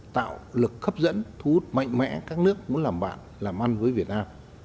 tạo lực khắp dẫn thu hút mạnh mẽ các nước muốn làm bạn làm ăn với việt nam